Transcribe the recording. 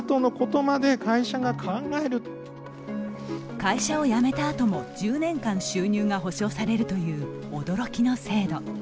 会社を辞めたあとも１０年間収入が保障されるという驚きの制度。